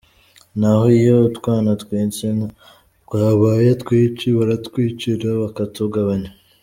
Na ho iyo utwana tw’insina twabaye twinshi, baratwicira bakatugabanya.